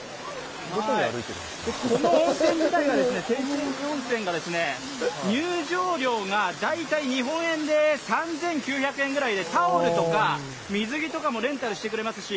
この温泉自体が、セーチェーニ温泉が入場料が大体日本円で３９００円ぐらいでタオルとか水着とかもレンタルしてくれますし